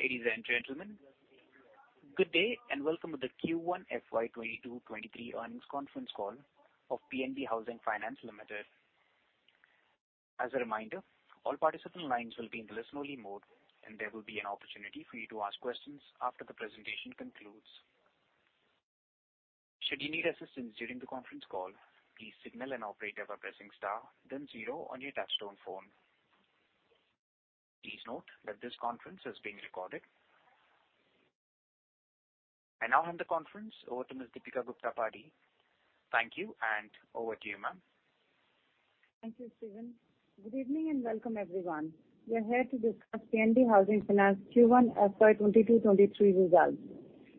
Ladies and gentlemen, good day, and welcome to the Q1 FY 2022/2023 earnings conference call of PNB Housing Finance Limited. As a reminder, all participant lines will be in listen-only mode, and there will be an opportunity for you to ask questions after the presentation concludes. Should you need assistance during the conference call, please signal an operator by pressing star then zero on your touchtone phone. Please note that this conference is being recorded. I now hand the conference over to Ms. Deepika Gupta Padhi. Thank you, and over to you, ma'am. Thank you, Steve. Good evening and welcome everyone. We are here to discuss PNB Housing Finance Q1 FY 2022/2023 results.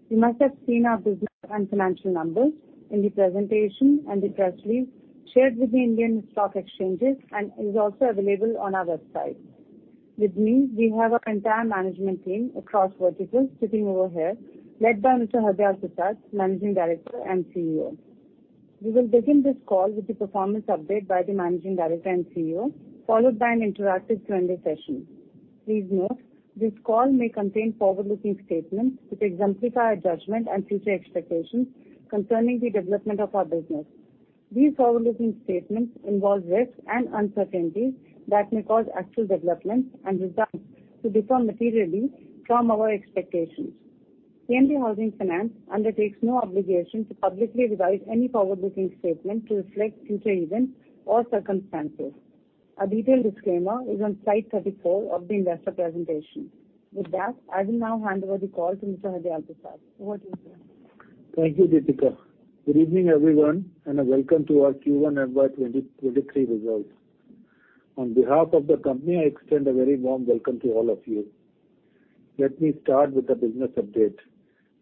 You must have seen our business and financial numbers in the presentation and the press release shared with the Indian stock exchanges and is also available on our website. With me, we have our entire management team across verticals sitting over here, led by Mr. Hardayal Prasad, Managing Director and CEO. We will begin this call with the performance update by the Managing Director and CEO, followed by an interactive Q&A session. Please note, this call may contain forward-looking statements which exemplify our judgment and future expectations concerning the development of our business. These forward-looking statements involve risks and uncertainties that may cause actual developments and results to differ materially from our expectations. PNB Housing Finance undertakes no obligation to publicly revise any forward-looking statement to reflect future events or circumstances. A detailed disclaimer is on slide 34 of the investor presentation. With that, I will now hand over the call to Mr. Hardayal Prasad. Over to you, sir. Thank you, Deepika. Good evening, everyone, and welcome to our Q1 FY 2023 results. On behalf of the company, I extend a very warm welcome to all of you. Let me start with the business update.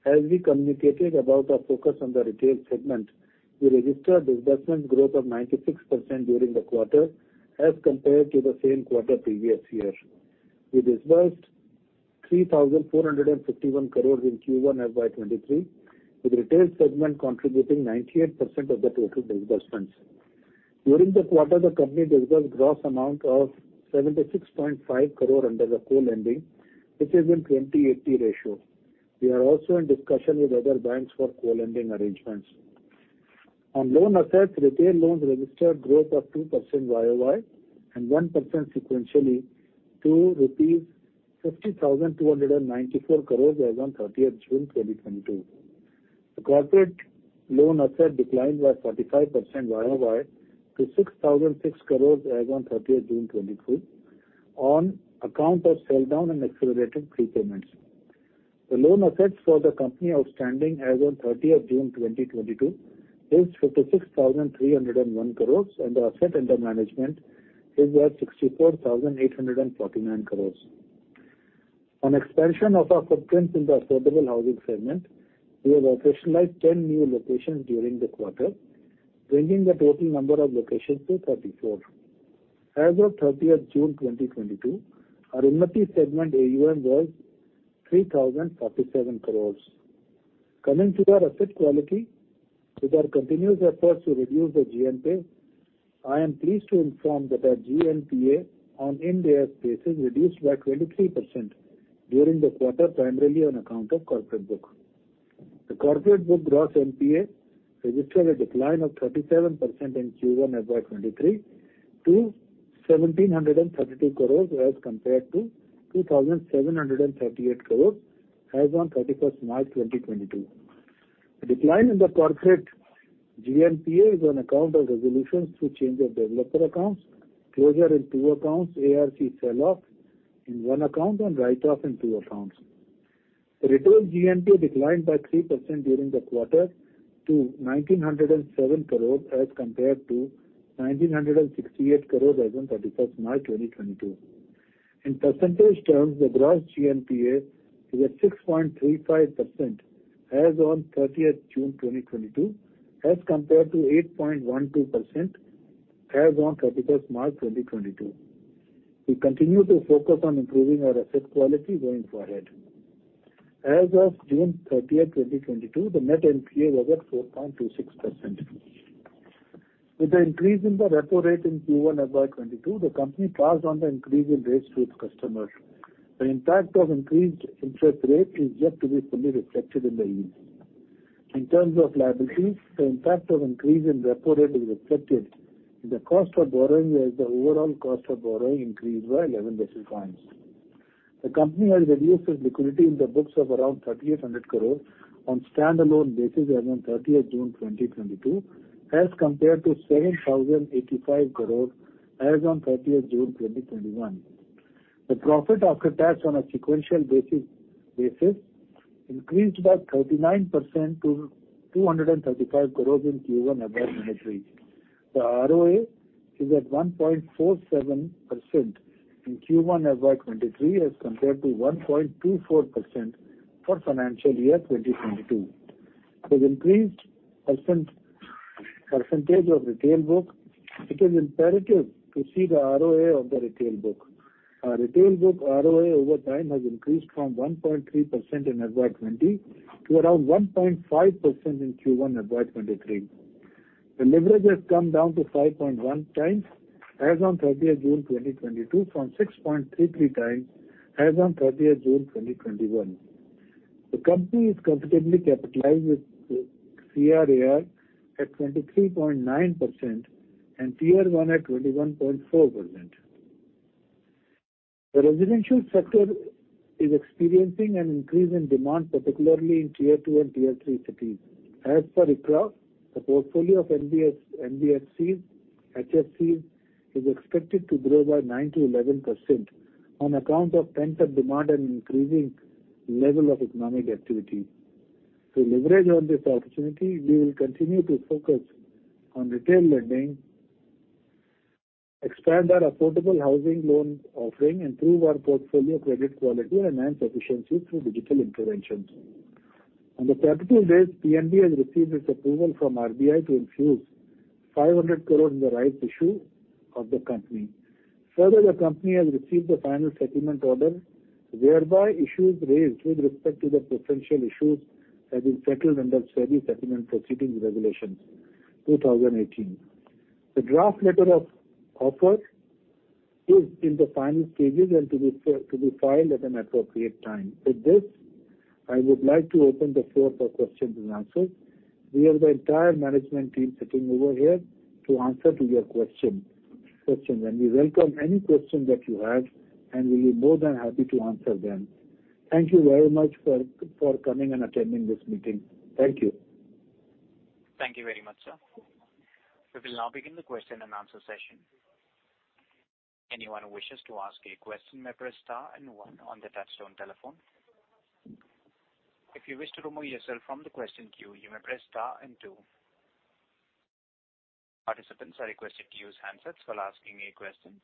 As we communicated about our focus on the retail segment, we registered disbursement growth of 96% during the quarter as compared to the same quarter previous year. We disbursed 3,451 crore in Q1 FY 2023, with retail segment contributing 98% of the total disbursements. During the quarter, the company disbursed gross amount of 76.5 crore under the co-lending, which is in 20/80 ratio. We are also in discussion with other banks for co-lending arrangements. On loan assets, retail loans registered growth of 2% YOY and 1% sequentially to 50,294 crore rupees as on 30 June 2022. The corporate loan asset declined by 35% YOY to INR 6,006 crores as on 30th June 2022 on account of sell down and accelerated prepayments. The loan assets for the company outstanding as on 30th June 2022 is 56,301 crores, and the asset under management is at 64,849 crores. On expansion of our footprint in the affordable housing segment, we have operationalized 10 new locations during the quarter, bringing the total number of locations to 34. As of 30th June 2022, our Unnati segment AUM was 3,047 crores. Coming to our asset quality, with our continuous efforts to reduce the GNPA, I am pleased to inform that our GNPA on in-day basis reduced by 23% during the quarter, primarily on account of corporate book. The corporate book gross NPA registered a decline of 37% in Q1 FY 2023 to 1,732 crores as compared to 2,738 crores as on March 31, 2022. The decline in the corporate GNPA is on account of resolutions through change of developer accounts, closure in two accounts, ARC sell-off in one account, and write-off in two accounts. Retail GNPA declined by 3% during the quarter to 1,907 crores as compared to 1,968 crores as on March 31, 2022. In percentage terms, the gross GNPA is at 6.35% as on June 30, 2022 as compared to 8.12% as on March 31, 2022. We continue to focus on improving our asset quality going forward. As of June 30, 2022, the net NPA was at 4.26%. With the increase in the repo rate in Q1 FY 2022, the company passed on the increase in rates to its customers. The impact of increased interest rate is yet to be fully reflected in the yield. In terms of liabilities, the impact of increase in repo rate is reflected in the cost of borrowing, as the overall cost of borrowing increased by 11 basis points. The company has reduced its liquidity in the books of around 3,800 crore on standalone basis as on 30 June 2022 as compared to 7,085 crore as on 30 June 2021. The profit after tax on a sequential basis increased by 39% to 235 crore in Q1 FY 2023. The ROA is at 1.47% in Q1 FY 2023 as compared to 1.24% for financial year 2022. With increased percentage of retail book, it is imperative to see the ROA of the retail book. Our retail book ROA over time has increased from 1.3% in FY 2020 to around 1.5% in Q1 FY 2023. The leverage has come down to 5.1x as on 30th June 2022 from 6.33x as on 30th June 2021. The company is comfortably capitalized with CRAR at 23.9% and Tier 1 at 21.4%. The residential sector is experiencing an increase in demand, particularly in Tier 2 and Tier 3 cities. As for ICRA, the portfolio of NBFCs & HFCs is expected to grow by 9%-11% on account of pent-up demand and increasing level of economic activity. To leverage on this opportunity, we will continue to focus on retail lending, expand our affordable housing loan offering, improve our portfolio credit quality, enhance efficiency through digital interventions. On the regulatory side, PNB has received its approval from RBI to infuse 500 crore in the rights issue of the company. Further, the company has received the final settlement order, whereby issues raised with respect to the potential issues have been settled under SEBI (Settlement Proceedings) Regulations, 2018. The Draft Letter of Offer is in the final stages and to be filed at an appropriate time. With this, I would like to open the floor for questions and answers. We have the entire management team sitting over here to answer to your question, and we welcome any question that you have, and we'll be more than happy to answer them. Thank you very much for coming and attending this meeting. Thank you. Thank you very much, sir. We will now begin the question and answer session. Anyone who wishes to ask a question may press star and one on the touchtone telephone. If you wish to remove yourself from the question queue, you may press star and two. Participants are requested to use handsets while asking a question.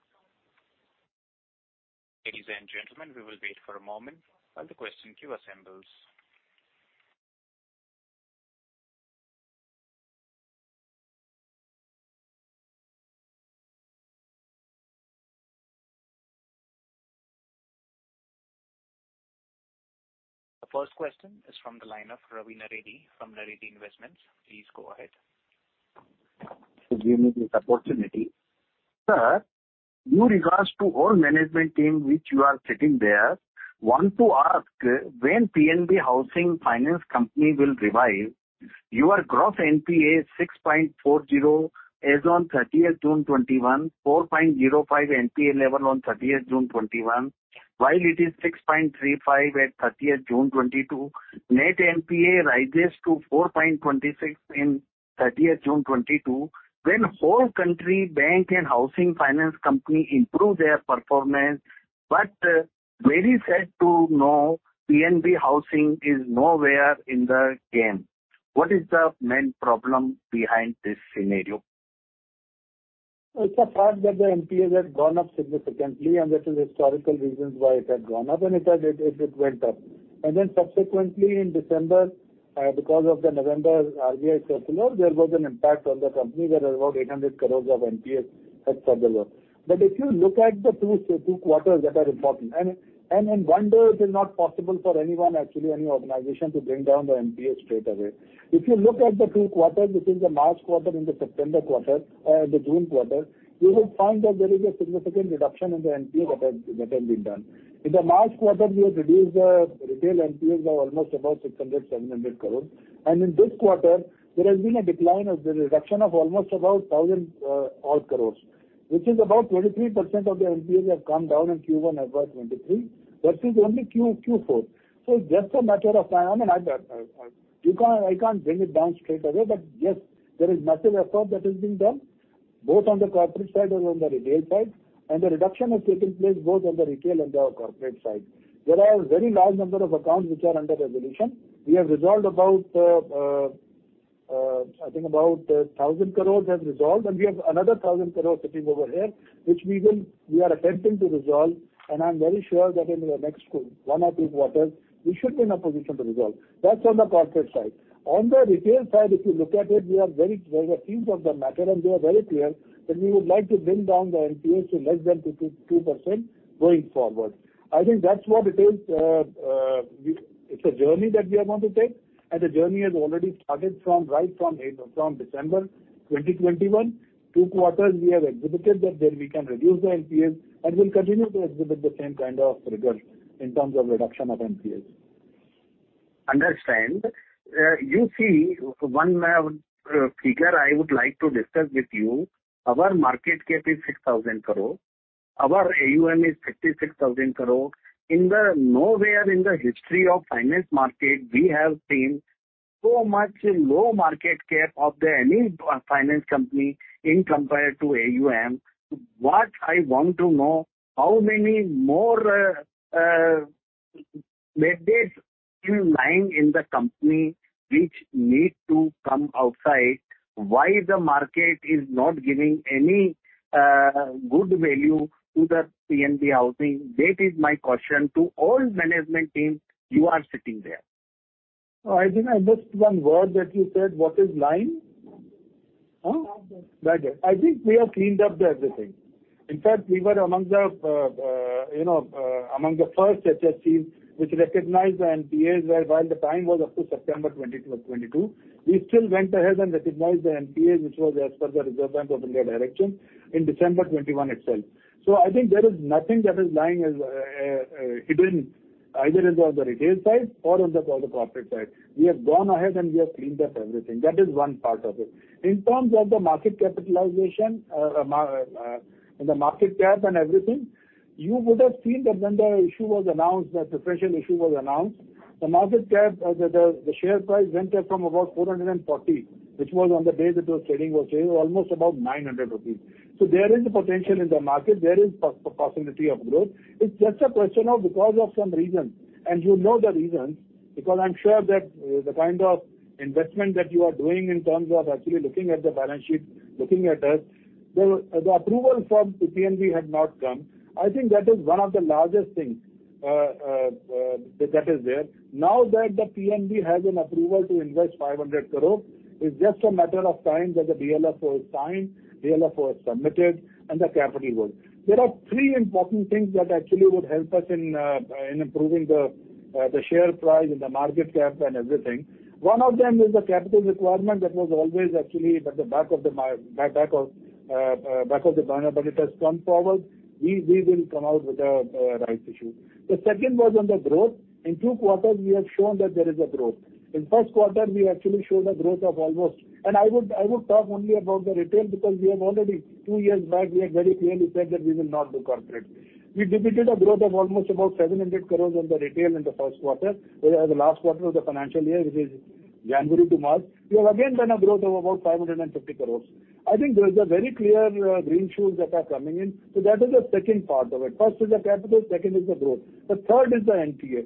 Ladies and gentlemen, we will wait for a moment while the question queue assembles. The first question is from the line of Ravi Naredi from Naredi Investment Private Limited. Please go ahead. Thank you for giving me the opportunity. Sir, with due regards to all management team which you are sitting there, I want to ask when PNB Housing Finance Company will revive. Your gross NPA is 6.40% as on 30th June 2021, 4.05% NPA level on 30th June 2021, while it is 6.35% at 30th June 2022. Net NPA rises to 4.26% in 30th June 2022. When whole country's banks and housing finance companies improve their performance, but very sad to know PNB Housing is nowhere in the game. What is the main problem behind this scenario? It's a fact that the NPAs have gone up significantly, and that is historical reasons why it had gone up. It went up. Then subsequently in December, because of the November RBI circular, there was an impact on the company that about 800 crore of NPA had further up. But if you look at the two quarters that are important, in one day it is not possible for anyone, actually, any organization to bring down the NPA straight away. If you look at the two quarters between the March quarter and the September quarter, the June quarter, you will find that there is a significant reduction in the NPA that has been done. In the March quarter, we have reduced the retail NPAs of almost about 600-700 crore. In this quarter, there has been a decline of the reduction of almost about 1,000-odd crores, which is about 23% of the NPA have come down in Q1 FY 2023. That is only Q4. It's just a matter of time. I can't bring it down straight away. Yes, there is massive effort that has been done both on the corporate side and on the retail side. The reduction has taken place both on the retail and the corporate side. There are a very large number of accounts which are under resolution. We have resolved about, I think about, 1,000 crores has resolved, and we have another 1,000 crores sitting over here, which we are attempting to resolve. I'm very sure that in the next one or two quarters, we should be in a position to resolve. That's on the corporate side. On the retail side, if you look at it, we are very, very keen on the matter, and we are very clear that we would like to bring down the NPA to less than 2% going forward. I think that's what it is. It's a journey that we are going to take, and the journey has already started from December 2021. Two quarters we have exhibited that we can reduce the NPAs, and we'll continue to exhibit the same kind of result in terms of reduction of NPAs. You see, one figure I would like to discuss with you. Our market cap is 6,000 crore. Our AUM is 56,000 crore. Nowhere in the history of finance market, we have seen so much low market cap of any finance company compared to AUM. What I want to know, how many more mandates in line in the company which need to come outside? Why the market is not giving any good value to the PNB Housing? That is my question to all management team you are sitting there. I think I missed one word that you said. What is lien? Budget. Budget. I think we have cleaned up everything. In fact, we were among the first HFCs which recognized the NPAs, where while the time was up to September 2020-2022, we still went ahead and recognized the NPA, which was as per the Reserve Bank of India direction in December 2021 itself. I think there is nothing that is lying hidden either on the retail side or on the corporate side. We have gone ahead, and we have cleaned up everything. That is one part of it. In terms of the market capitalization, the market cap and everything, you would have seen that when the issue was announced, that the fresh issue was announced, the market cap, the share price went up from about 440, which was on the day that it was trading, almost about 900 rupees. There is a potential in the market. There is possibility of growth. It's just a question of because of some reason, and you know the reasons, because I'm sure that the kind of investment that you are doing in terms of actually looking at the balance sheet, looking at us, the approval from PNB had not come. I think that is one of the largest things that is there. Now that the PNB has an approval to invest 500 crore, it's just a matter of time that the DLOF is signed, DLOF was submitted and the capital goes. There are three important things that actually would help us in improving the share price and the market cap and everything. One of them is the capital requirement that was always actually at the back burner, but it has come forward. We will come out with a rights issue. The second was on the growth. In two quarters we have shown that there is a growth. In first quarter we actually showed a growth of almost... I would talk only about the retail because we have already two years back, we have very clearly said that we will not do corporate. We delivered a growth of almost about 700 crore on the retail in the first quarter. The last quarter of the financial year, which is January to March. We have again done a growth of about 550 crore. I think there is a very clear green shoots that are coming in, so that is the second part of it. First is the capital, second is the growth. The third is the NPA.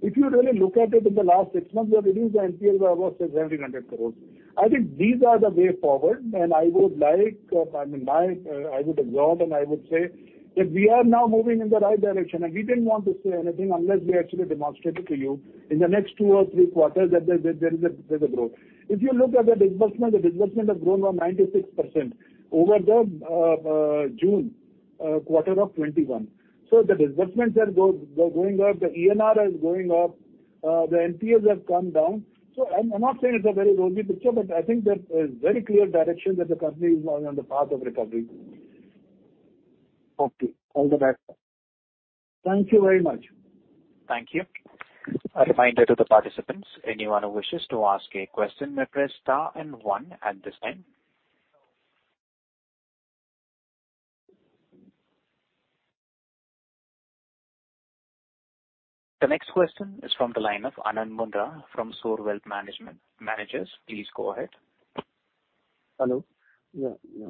If you really look at it in the last six months, we have reduced the NPA by about 700 crore. I think these are the way forward. I would observe and I would say that we are now moving in the right direction. We didn't want to say anything unless we actually demonstrated to you in the next two or three quarters that there is a growth. If you look at the disbursement, the disbursement has grown by 96% over the June quarter of 2021. The disbursements are going up, the ENR is going up, the NPAs have come down. I'm not saying it's a very rosy picture, but I think there is very clear direction that the company is on the path of recovery. Okay. All the best. Thank you very much. Thank you. A reminder to the participants, anyone who wishes to ask a question may press star and one at this time. The next question is from the line of Anand Mundra from Sure Wealth Management. Mundra, please go ahead. Hello. Yeah, yeah.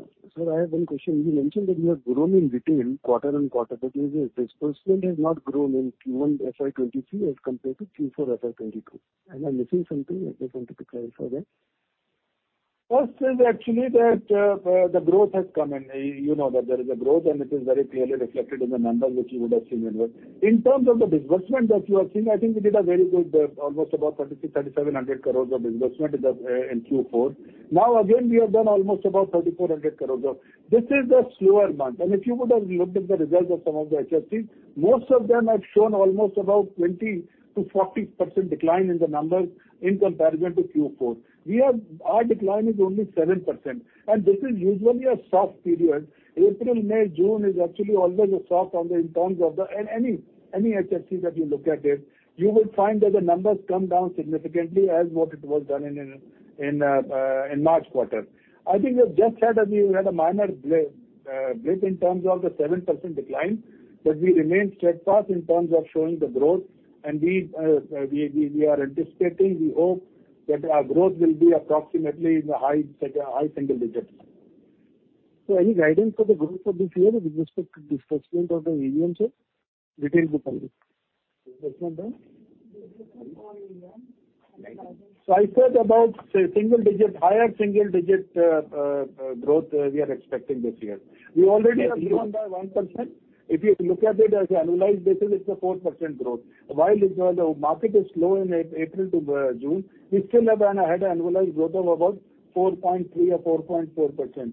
I have one question. You mentioned that you have grown in retail quarter-on-quarter, but your disbursement has not grown in Q1 FY 2023 as compared to Q4 FY 2022. Am I missing something? I just want to be clear for that. First is actually that, the growth has come and you know that there is a growth, and it is very clearly reflected in the numbers, which you would have seen. In terms of the disbursement that you have seen, I think we did a very good, almost about 3,000-3,700 crore of disbursement in the, in Q4. Now, again, we have done almost about 3,400 crore of. This is the slower month. If you would have looked at the results of some of the HFCs, most of them have shown almost about 20%-40% decline in the numbers in comparison to Q4. Our decline is only 7%. This is usually a soft period. April, May, June is actually always a soft period in terms of the any HFC that you look at it, you will find that the numbers come down significantly as what it was in the March quarter. I think we had a minor blip in terms of the 7% decline, but we remain steadfast in terms of showing the growth. We are anticipating, we hope that our growth will be approximately in the high single digits. Any guidance for the growth of this year with respect to disbursement of the mix shift between the parties? Disbursement? I said about, say, single digit, higher single digit, growth, we are expecting this year. We already have grown by 1%. If you look at it as annualized basis, it's a 4% growth. While it's, the market is slow in April to June, we still had an annualized growth of about 4.3% or 4.4%.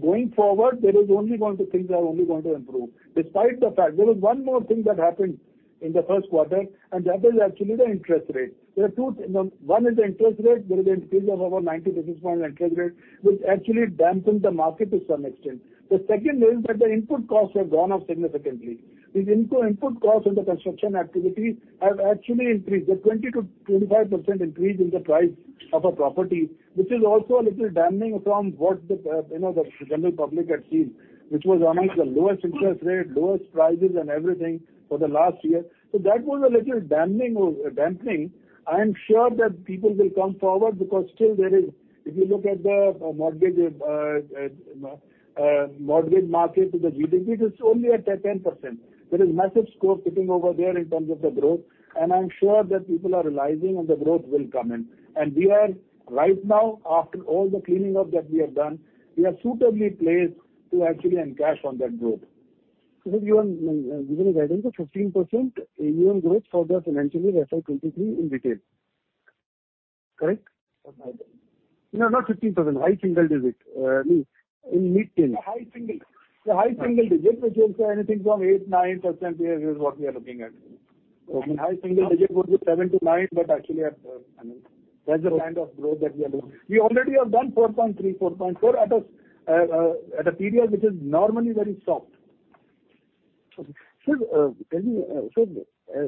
Going forward, things are only going to improve. Despite the fact, there is one more thing that happened in the first quarter, and that is actually the interest rate. There are two, you know, one is the interest rate. There is an increase of about 90 basis point interest rate, which actually dampened the market to some extent. The second is that the input costs have gone up significantly. These input costs in the construction activity have actually increased. The 20%-25% increase in the price of a property, which is also a little damping from what the, you know, the general public had seen, which was among the lowest interest rate, lowest prices and everything for the last year. That was a little damping or dampening. I am sure that people will come forward because still there is, if you look at the, mortgage, you know, mortgage market to the GDP, it is only at 10%. There is massive scope sitting over there in terms of the growth, and I am sure that people are realizing, and the growth will come in. We are, right now, after all the cleaning up that we have done, we are suitably placed to actually encash on that growth. You are giving a guidance of 15% EM growth for the financial year FY 2023 in retail? Correct. Okay. No, not 15%, high single digit, I mean, in mid teen. High single. The high single digit, which will say anything from 8%-9% here is what we are looking at. Okay. I mean, high single digit would be seven-nine, but actually at, I mean, that's the kind of growth that we are looking. We already have done 4.3-4.4 at a period which is normally very soft.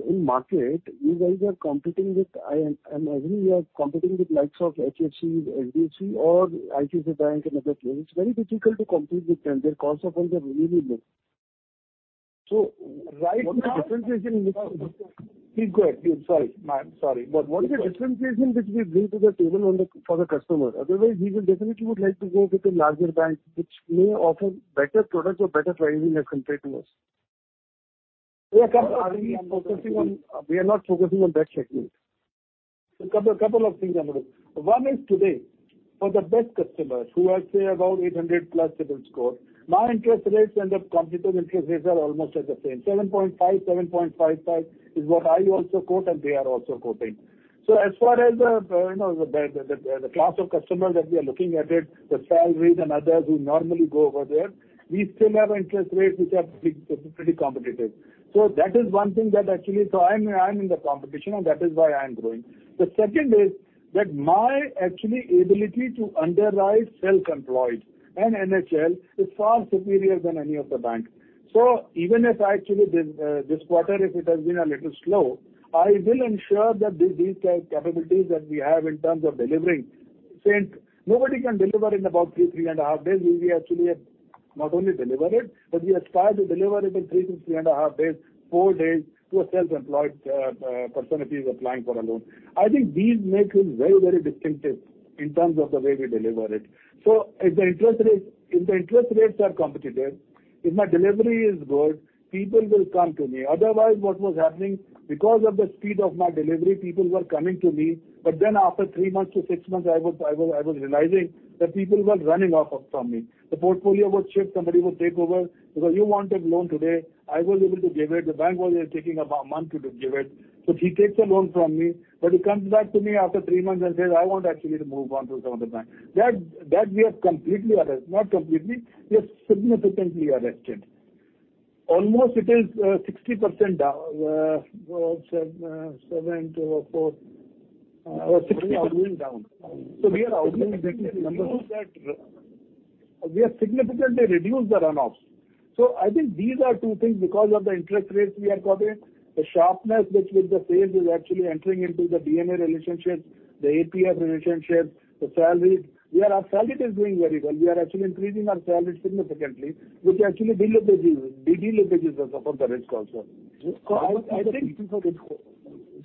In market, you guys are competing with. I'm assuming you are competing with likes of HFC, HDFC or ICICI Bank and other players. It's very difficult to compete with them. Their cost of funds are really low. Right now. What's the differentiation with? Please go ahead. Sorry. I'm sorry. What is the differentiation which we bring to the table for the customers? Otherwise, we will definitely would like to go with the larger banks which may offer better products or better pricing as compared to us. We are not focusing on that segment. A couple of things, Anurag. One is today, for the best customers who I say about 800+ CIBIL score, my interest rates and the competitor interest rates are almost at the same. 7.5%, 7.55% is what I also quote and they are also quoting. As far as the class of customers that we are looking at, the salaried and others who normally go over there, we still have interest rates which are pretty competitive. That is one thing that actually. I'm in the competition and that is why I'm growing. The second is that my actual ability to underwrite self-employed and NHL is far superior than any of the banks. Even if actually this quarter, if it has been a little slow, I will ensure that these capabilities that we have in terms of delivering, since nobody can deliver in about three and a half days, we actually have not only delivered, but we aspire to deliver it in three to three and a half days, four days to a self-employed person if he's applying for a loan. I think these make us very, very distinctive in terms of the way we deliver it. If the interest rates, if the interest rates are competitive, if my delivery is good, people will come to me. Otherwise, what was happening, because of the speed of my delivery, people were coming to me, but then after three months to six months, I was realizing that people were running off from me. The portfolio would shift, somebody would take over. Because you wanted loan today, I was able to give it. The bank was taking about a month to give it. So he takes a loan from me, but he comes back to me after three months and says, "I want actually to move on to some other bank." That we have completely arrested, not completely, we have significantly arrested. Almost it is 60% down from 70% to 40%-60%. We are arguing that the numbers. You can reduce that. We have significantly reduced the runoffs. I think these are two things because of the interest rates we are covering. The sharpness with which the sales is actually entering into the DSA relationships, the API relationships, the salaried. Our salaried is doing very well. We are actually increasing our salaried significantly, which actually deleverages us of the risk also.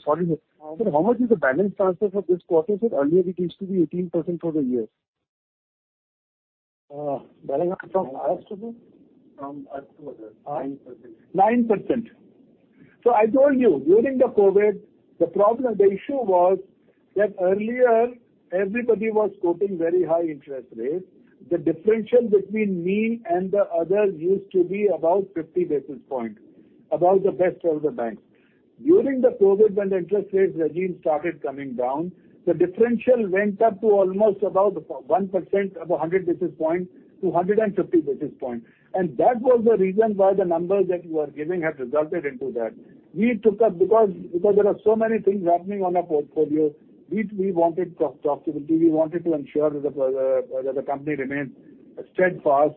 Sorry. Sir, how much is the balance transfer for this quarter? Sir, earlier it used to be 18% for the year. Balance from us to them? From us to others. 9%. 9%. I told you, during the COVID, the problem, the issue was that earlier everybody was quoting very high interest rates. The differential between me and the others used to be about 50 basis points, about the best of the banks. During the COVID, when the interest rates regime started coming down, the differential went up to almost about 1% or 100 basis points to 150 basis points. That was the reason why the numbers that you are giving have resulted in that. We took up because there are so many things happening on a portfolio, we wanted profitability, we wanted to ensure that the company remains steadfast.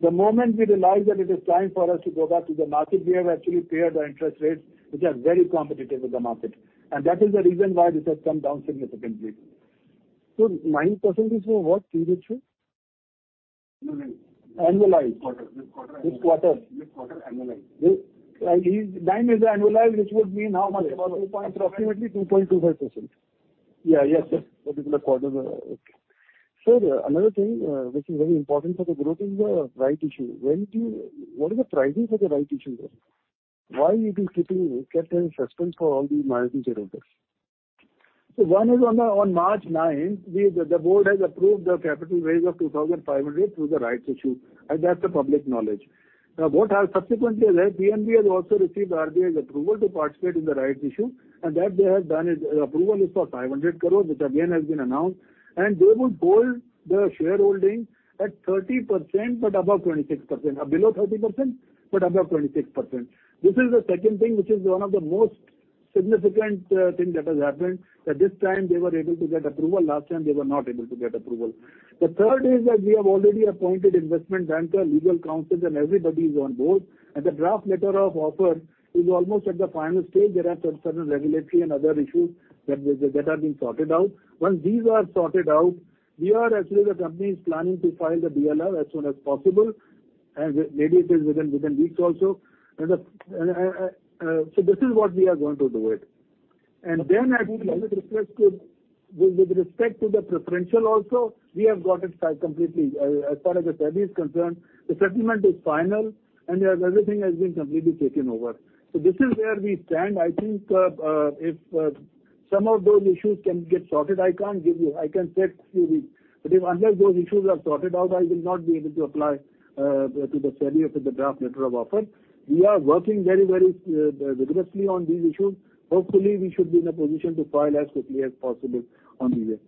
The moment we realized that it is time for us to go back to the market, we have actually lowered the interest rates, which are very competitive with the market. That is the reason why this has come down significantly. 9% is for what, CIBIL score? No. Annualized. Quarter. This quarter. This quarter annualized. This, I mean, nine is the annualized, which would mean how much? Approximately 2.25%. Yeah, yes. Particular quarter, okay. Sir, another thing, which is very important for the growth is the rights issue. What is the pricing for the rights issue there? Why is it kept in suspense for all these months and zero days? One is on March 9, the board has approved the capital raise of 2,500 crore through the rights issue, and that's the public knowledge. Now, what has subsequently happened, PNB has also received RBI's approval to participate in the rights issue, and they have done that. Approval is for 500 crore, which again has been announced, and they will hold the shareholding at 30% but above 26%. Below 30%, but above 26%. This is the second thing which is one of the most significant thing that has happened, that this time they were able to get approval. Last time they were not able to get approval. The third is that we have already appointed investment banker, legal counsels and everybody is on board and the Draft Letter of Offer is almost at the final stage. There are certain regulatory and other issues that are being sorted out. Once these are sorted out, we are actually, the company is planning to file the DLOF as soon as possible, and maybe it is within weeks also. So this is what we are going to do it. Then actually with respect to the preferential also, we have got it signed completely. As far as the SEBI is concerned, the settlement is final and as everything has been completely taken over. This is where we stand. I think, some of those issues can get sorted. I can't give you I can say to you, but unless those issues are sorted out, I will not be able to apply to the SEBI or to the draft letter of offer. We are working very vigorously on these issues. Hopefully, we should be in a position to file as quickly as possible on these.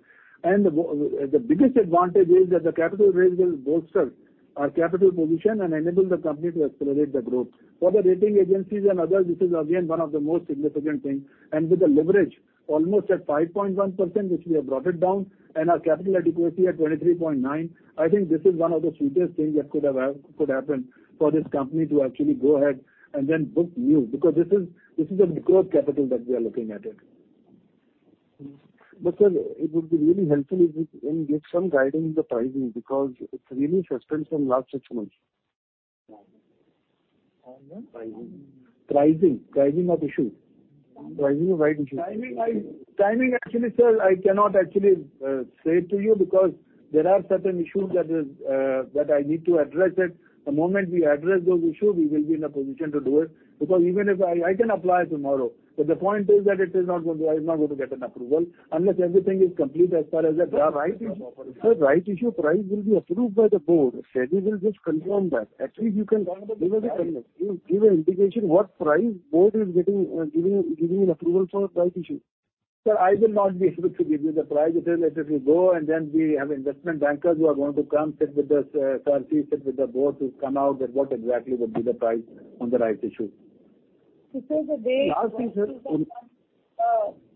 The biggest advantage is that the capital raise will bolster our capital position and enable the company to accelerate the growth. For the rating agencies and others, this is again one of the most significant things. With the leverage almost at 5.1%, which we have brought it down, and our capital adequacy at 23.9, I think this is one of the sweetest things that could happen for this company to actually go ahead and then book new, because this is a growth capital that we are looking at it. Sir, it would be really helpful if you can give some guidance on the pricing because it's really suspense from last six months. On what? Pricing. Pricing of issues. Pricing of rights issues. Timing actually, sir, I cannot actually say it to you because there are certain issues that I need to address it. The moment we address those issues, we will be in a position to do it. Even if I can apply tomorrow, but the point is that it's not going to get an approval unless everything is complete as per the draft rights issue. Sir, rights issue price will be approved by the board. SEBI will just confirm that. Actually, you can give us an indication what price board is thinking, giving an approval for rights issue. Sir, I will not be able to give you the price. It will let it go, and then we have investment bankers who are going to come sit with the CRC, sit with the board, who will come out with what exactly would be the price on the rights issue. Sir, the day. Last thing, sir.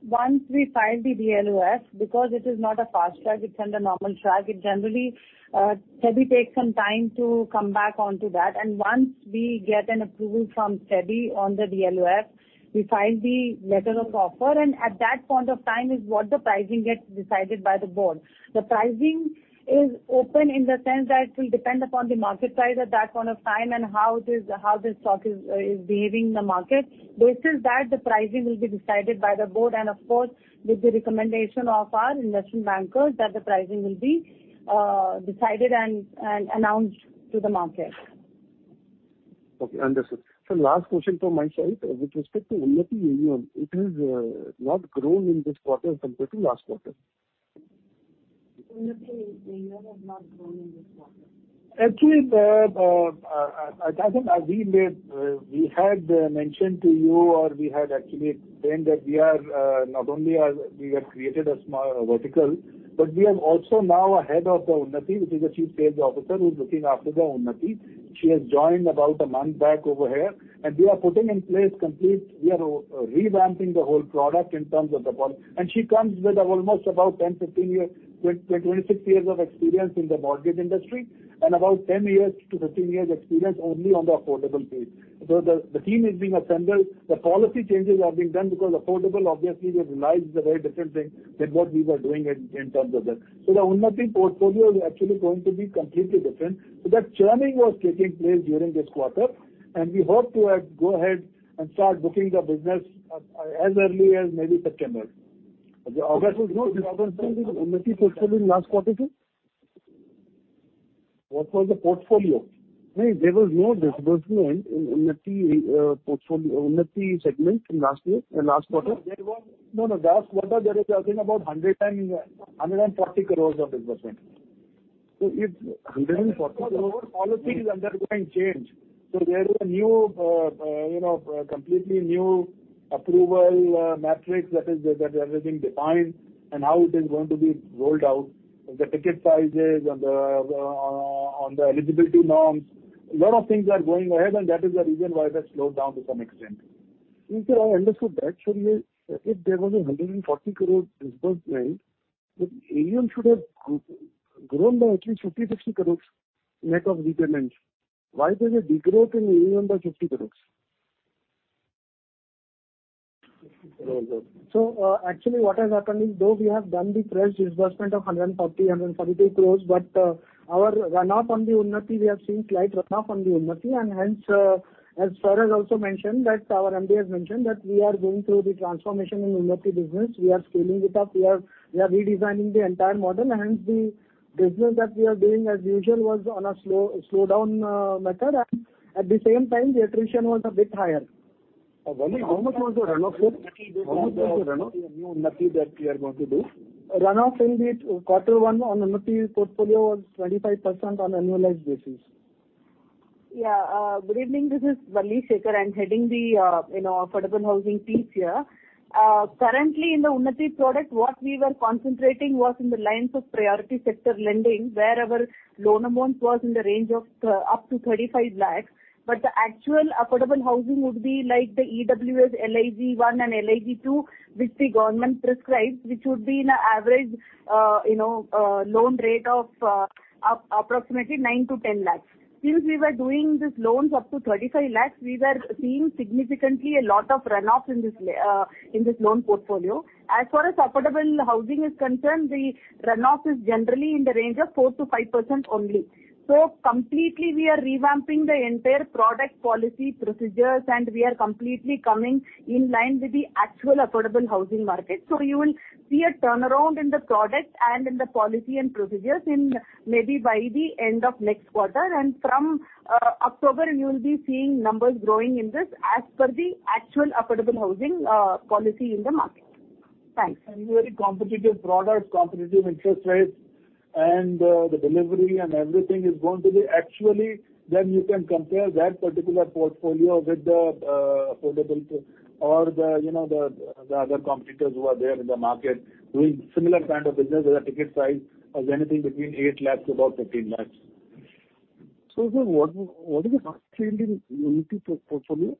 Once we file the DLOF, because it is not a fast track, it's under normal track. It generally SEBI takes some time to come back onto that. Once we get an approval from SEBI on the DLOF, we file the letter of offer. At that point of time is what the pricing gets decided by the board. The pricing is open in the sense that it will depend upon the market price at that point of time and how the stock is behaving in the market. Based on that, the pricing will be decided by the board and of course, with the recommendation of our investment bankers, that the pricing will be decided and announced to the market. Okay, understood. Sir, last question from my side. With respect to Unnati AUM, it has not grown in this quarter compared to last quarter. Unnati AUM has not grown in this quarter. Actually, I think as we had mentioned to you or we had actually explained that we not only have created a small vertical, but we have also now a head of the Unnati, which is a chief sales officer who's looking after the Unnati. She has joined about a month back over here, and we are revamping the whole product in terms of the. And she comes with almost about 10, 15 years, 26 years of experience in the mortgage industry and about 10 years to 15 years experience only on the affordable space. The team is being assembled, the policy changes are being done because affordable obviously requires a very different thing than what we were doing in terms of that. The Unnati portfolio is actually going to be completely different. That churning was taking place during this quarter, and we hope to go ahead and start booking the business as early as maybe September. No disbursement in Unnati portfolio in last quarter too? What was the portfolio? No, there was no disbursement in Unnati segment in last year, in last quarter? No, there was no, last quarter there was I think about 140 crores of disbursement. It's 140 crores? Because our policy is undergoing change. There is a new you know, completely new approval matrix that is that everything defined and how it is going to be rolled out, the ticket sizes and the on the eligibility norms. A lot of things are going ahead, and that is the reason why that slowed down to some extent. Sir, I understood that. Sorry, if there was 140 crores disbursement, but AUM should have grown by at least 50, 60 crores net of repayments. Why does it degrow in AUM by 50 crores? Actually what has happened is though we have done the fresh disbursement of 140, 142 crores, but our runoff on the Unnati, we have seen slight runoff on the Unnati. And hence, as I also mentioned that our MD has mentioned that we are going through the transformation in Unnati business. We are scaling it up. We are redesigning the entire model. Hence, the business that we are doing as usual was on a slowdown method and at the same time the attrition was a bit higher. Valli, how much was the runoff, sir? Runoff in the quarter one on Unnati portfolio was 25% on annualized basis. Yeah. Good evening. This is Valli Sekar. I'm heading the, you know, affordable housing piece here. Currently in the Unnati product, what we were concentrating was in the lines of priority sector lending, where our loan amount was in the range of up to 35 lakhs. But the actual affordable housing would be like the EWS, LIG-1 and LIG-2, which the government prescribes, which would be in an average, you know, loan rate of approximately 9-10 lakhs. Since we were doing these loans up to 35 lakhs, we were seeing significantly a lot of runoff in this loan portfolio. As far as affordable housing is concerned, the runoff is generally in the range of 4%-5% only. Completely we are revamping the entire product policy procedures, and we are completely coming in line with the actual affordable housing market. You will see a turnaround in the product and in the policy and procedures in maybe by the end of next quarter. From October, you will be seeing numbers growing in this as per the actual affordable housing policy in the market. Thanks. Very competitive products, competitive interest rates and the delivery and everything is going to be actually then you can compare that particular portfolio with the affordable or the, you know, the other competitors who are there in the market doing similar kind of business with a ticket size of anything between 8 lakhs to about 15 lakhs. What is the outstanding Unnati portfolio?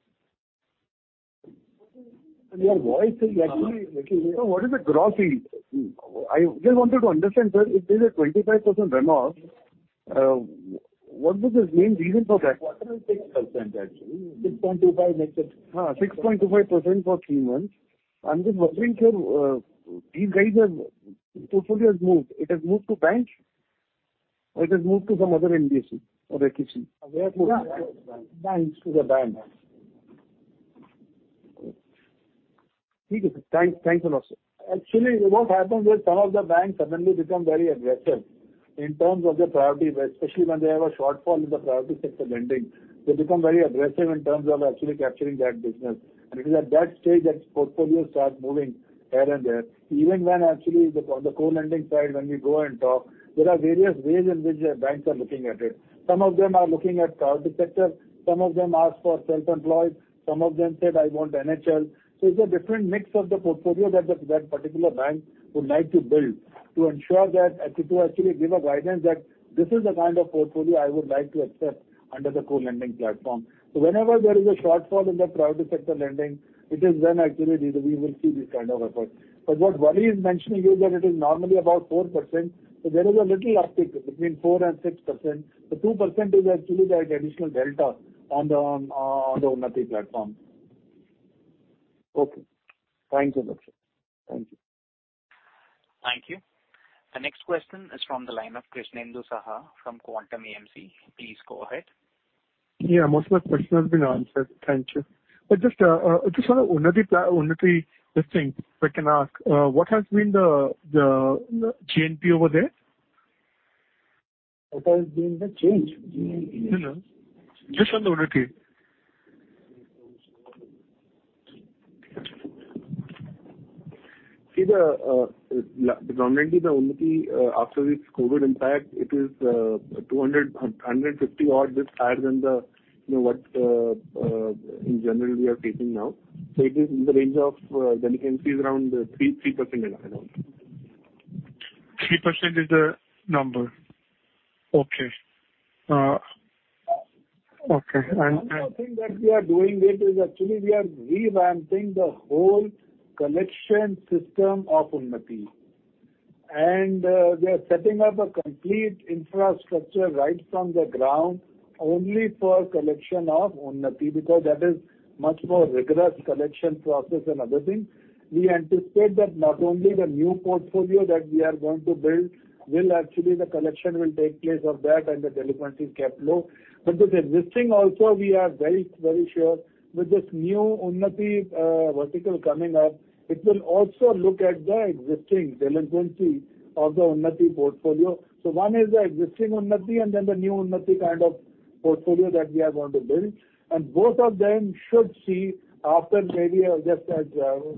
Your voice is actually breaking. Sir, what is the gross yield? I just wanted to understand, sir, if there's a 25% runoff, what is the main reason for that? 4.6% actually. 6.25% maximum. 6.25% for three months. I'm just wondering, sir, portfolio has moved. It has moved to banks, or it has moved to some other NBFC or HFC. Where it moved? Banks. To the banks. Okay. Thanks. Thanks a lot, sir. Actually, what happened is some of the banks suddenly become very aggressive in terms of the priority sector, especially when they have a shortfall in the priority sector lending. They become very aggressive in terms of actually capturing that business. It is at that stage that portfolio starts moving here and there. Even when actually the co-lending side, when we go and talk, there are various ways in which the banks are looking at it. Some of them are looking at card sector, some of them ask for self-employed, some of them said, "I want NHB." It's a different mix of the portfolio that that particular bank would like to build to ensure that to actually give a guidance that this is the kind of portfolio I would like to accept under the co-lending platform. Whenever there is a shortfall in the priority sector lending, it is then actually we will see this kind of effort. What Valli is mentioning is that it is normally about 4%. There is a little uptick between 4% and 6%. The 2% is actually like additional delta on the Unnati platform. Okay. Thanks a lot, sir. Thank you. Thank you. The next question is from the line of Krishnendu Saha from Quantum AMC. Please go ahead. Yeah, most of my question has been answered. Thank you. Just on a Unnati listing, if I can ask, what has been the GNPA over there? What has been the change? GNPA. No, no. Just on the Unnati. See the predominantly the Unnati after this COVID impact, it is 200, 150 odd bps higher than the, you know, what in general we are taking now. It is in the range of delinquencies around 3% around. 3% is the number? Okay. Okay. One more thing that we are doing it is actually we are revamping the whole collection system of Unnati. We are setting up a complete infrastructure right from the ground only for collection of Unnati, because that is much more rigorous collection process and other things. We anticipate that not only the new portfolio that we are going to build will actually the collection will take place of that and the delinquencies kept low. With existing also we are very, very sure with this new Unnati vertical coming up, it will also look at the existing delinquency of the Unnati portfolio. One is the existing Unnati and then the new Unnati kind of portfolio that we are going to build. Both of them should see after maybe just as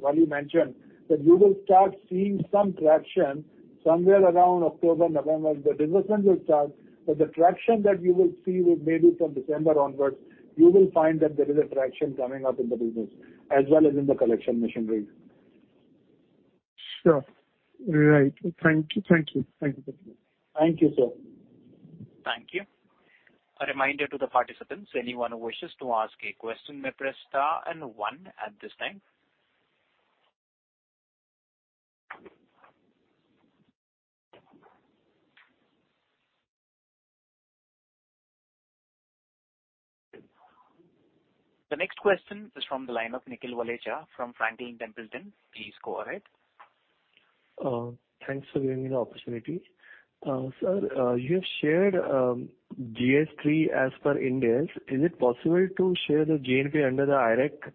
Valli mentioned, that you will start seeing some traction somewhere around October, November. The disbursement will start, but the traction that you will see will maybe from December onwards. You will find that there is a traction coming up in the business as well as in the collection machinery. Sure. Right. Thank you. Thank you, sir. Thank you. A reminder to the participants, anyone who wishes to ask a question, may press star and one at this time. The next question is from the line of Nikhil Walecha from Franklin Templeton. Please go ahead. Thanks for giving me the opportunity. Sir, you have shared GS3 as per Ind AS. Is it possible to share the GNPA under the IRACP?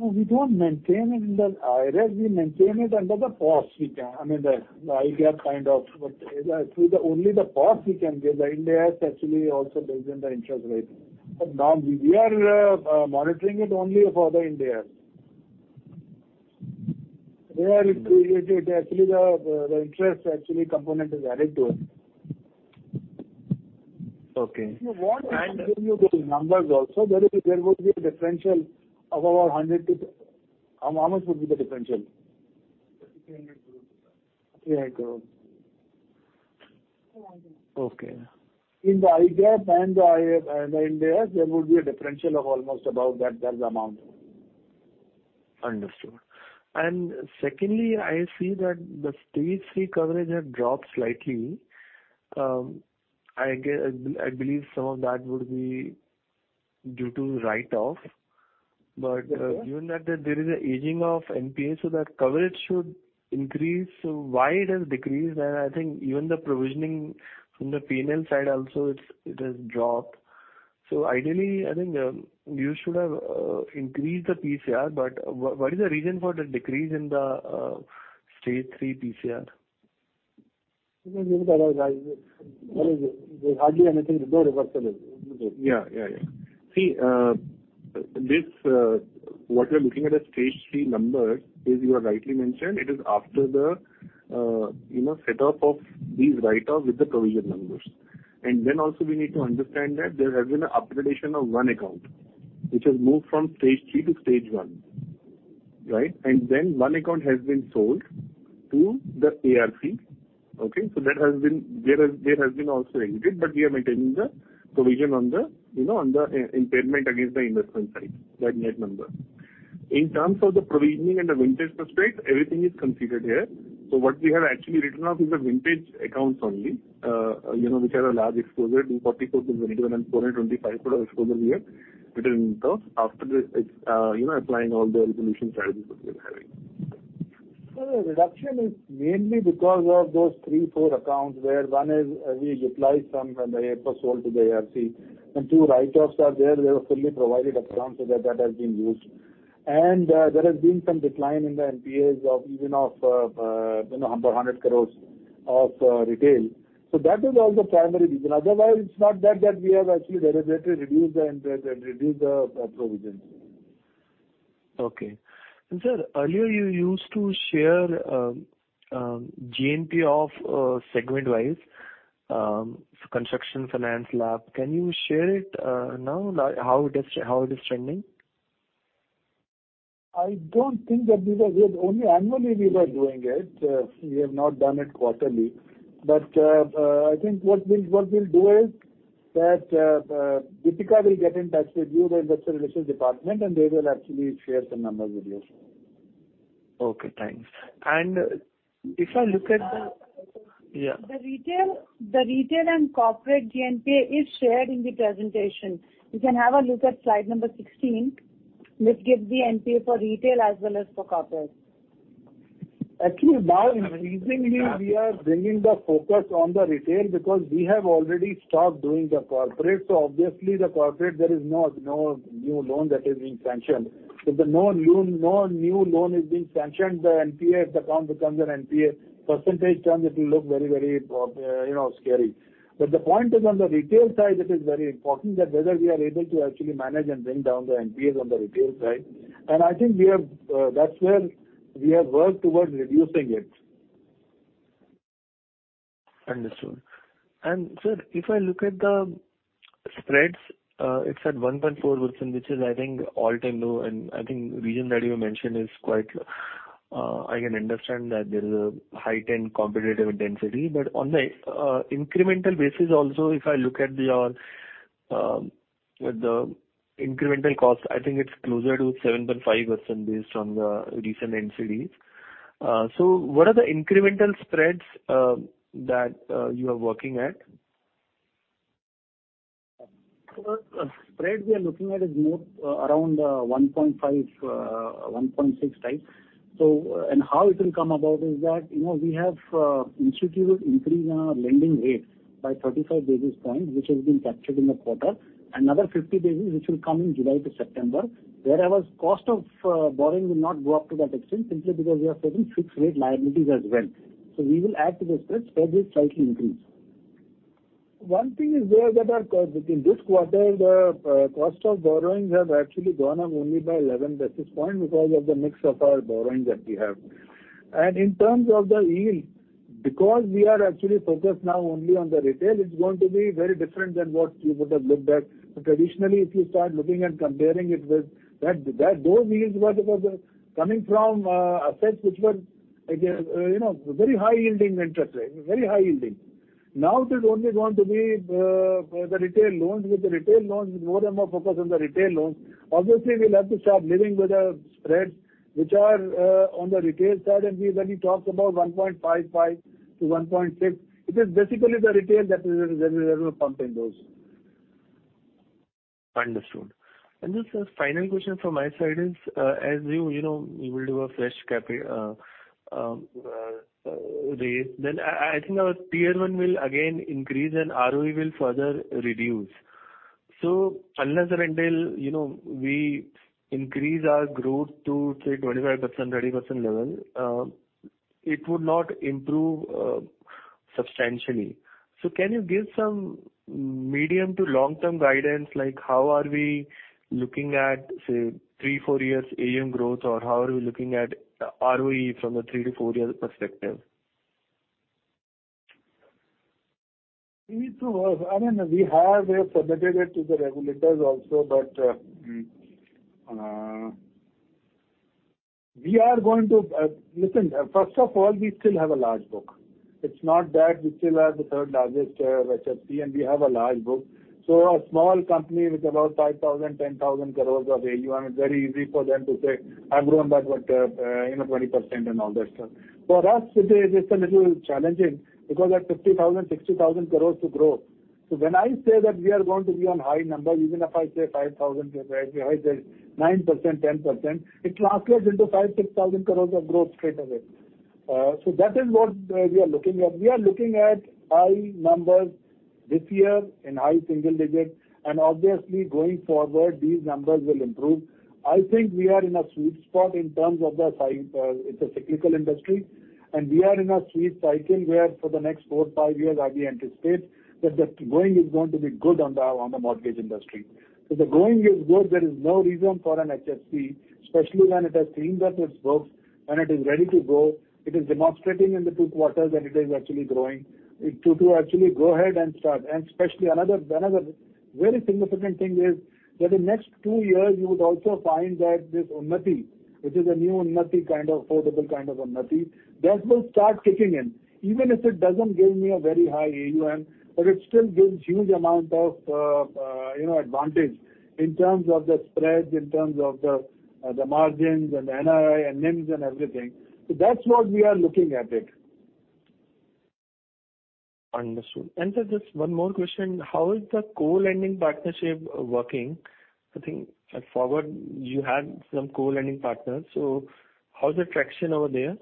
No, we don't maintain it in the IRACP. We maintain it under the Provisioning. I mean the ICAAP kind of. Actually, only the Provisioning we can give. The Ind AS actually also builds in the interest rate. Now we are monitoring it only for the Ind AS. There, it actually, the interest actually component is added to it. Okay. If you want, I can give you those numbers also. There would be a differential of over 100 to. How much would be the differential? INR 300 crore. INR 300 crores. Okay. In the ICAAP and the Ind AS, there would be a differential of almost about that amount. Understood. Secondly, I see that the stage three coverage had dropped slightly. I believe some of that would be due to write-off. Given that there is an aging of NPA, that coverage should increase. Why it has decreased? I think even the provisioning from the P&L side also, it has dropped. Ideally, I think, you should have increased the PCR, but what is the reason for the decrease in the stage three PCR? Because even otherwise, I mean, there's hardly anything to do reversal, is it? Yeah. See, this, what you're looking at as stage three numbers is you have rightly mentioned it is after the, you know, set up of these write-off with the provision numbers. We need to understand that there has been a upgradation of one account which has moved from stage three to stage one, right? One account has been sold to the ARC. Okay? That has been exited but we are maintaining the provision on the, you know, on the impairment against the investment side, that net number. In terms of the provisioning and the vintage prospects, everything is considered here. What we have actually written off is the vintage accounts only, you know, which are a large exposure, 244 crore to 20 crore and 425 crore exposure we have, which is in terms after this, you know, applying all the resolution strategies which we are having. Sir, the reduction is mainly because of those three, four accounts where one is we apply some from the APA sold to the ARC and two write-offs are there. They were fully provided accounts so that has been used. There has been some decline in the NPAs of even of you know 100 crore of retail. That is all the primary reason. Otherwise, it's not that we have actually deliberately reduced the NPAs and reduced the provisions. Okay. Sir, earlier you used to share GNPA of segment-wise construction finance slab. Can you share it now? Like how it is trending? We have only annually we were doing it. We have not done it quarterly. I think what we'll do is that Deepika will get in touch with you, the investor relations department, and they will actually share some numbers with you. Okay, thanks. If I look at the Sir. Yeah. The retail and corporate GNPA is shared in the presentation. You can have a look at slide number 16, which gives the NPA for retail as well as for corporate. Actually, now increasingly we are bringing the focus on the retail because we have already stopped doing the corporate. Obviously, in the corporate there is no new loan that is being sanctioned. No new loan is being sanctioned. The NPAs, the account becomes an NPA. Percentage terms, it will look very, you know, scary. The point is on the retail side it is very important that whether we are able to actually manage and bring down the NPAs on the retail side. I think that's where we have worked towards reducing it. Understood. Sir, if I look at the spreads, it's at 1.4%, which is I think all-time low and I think reason that you mentioned is quite, I can understand that there is a heightened competitive intensity. On the incremental basis also if I look at your the incremental cost, I think it's closer to 7.5% based on the recent NCDs. What are the incremental spreads that you are working at? The spread we are looking at is more around 1.5-1.6x. How it will come about is that, you know, we have instituted increase in our lending rates by 35 basis points, which has been captured in the quarter. Another 50 basis points which will come in July to September. Whereas cost of borrowing will not go up to that extent simply because we are taking fixed rate liabilities as well. We will add to the spreads will slightly increase. One thing is that because between this quarter the cost of borrowings have actually gone up only by 11 basis points because of the mix of our borrowings that we have. In terms of the yield, because we are actually focused now only on the retail, it's going to be very different than what you would have looked at. Traditionally, if you start looking and comparing it with that, those yields were coming from assets which were again, you know, very high yielding interest rate, very high yielding. Now, it is only going to be the retail loans. With the retail loans, more and more focus on the retail loans. Obviously, we'll have to start living with the spreads which are on the retail side and when we talk about 1.55%-1.6%, it is basically the retail that will pump in those. Understood. Just a final question from my side is, as you know, you will do a fresh raise, then I think our Tier 1 will again increase and ROE will further reduce. Unless or until, you know, we increase our growth to say 25%-30% level, it would not improve substantially. Can you give some medium to long-term guidance, like how are we looking at, say, three-four years AUM growth, or how are we looking at ROE from a three-four year perspective? I don't know. We have submitted it to the regulators also, but. Mm. First of all, we still have a large book. It's not that we still have the third largest HFC and we have a large book. A small company with about 5,000-10,000 crores of AUM, it's very easy for them to say, "I'm growing that with, you know, 20%," and all that stuff. For us today it's a little challenging because at 50,000-60,000 crores to grow. When I say that we are going to be on high numbers, even if I say 5,000 Mm-hmm. We have the 9%-10%, it translates into 5,000-6,000 crore of growth straight away. That is what we are looking at. We are looking at high numbers. This year in high single-digit % and obviously going forward, these numbers will improve. I think we are in a sweet spot in terms of the, it's a cyclical industry, and we are in a sweet cycle where for the next four-five years, I will anticipate that the growing is going to be good on the mortgage industry. The growing is good. There is no reason for an HFC, especially when it has cleaned up its books and it is ready to go. It is demonstrating in the two quarters and it is actually growing. To actually go ahead and start. Especially another very significant thing is that the next two years you would also find that this Unnati, which is a new, portable kind of Unnati, that will start kicking in. Even if it doesn't give me a very high AUM, but it still gives huge amount of, you know, advantage in terms of the spreads, in terms of the margins and NI and NIMS and everything. That's what we are looking at it. Understood. Sir, just one more question. How is the co-lending partnership working? I think before you had some co-lending partners, so how's the traction over there?